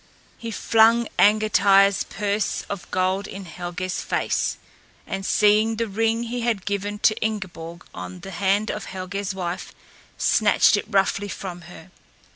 He flung Angantyr's purse of gold in Helgé's face, and seeing the ring he had given to Ingeborg on the hand of Helgé's wife snatched it roughly from her.